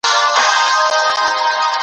علمي څېړني باید دوام ومومي.